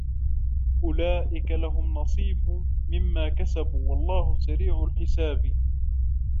أولئك لهم نصيب مما كسبوا والله سريع الحساب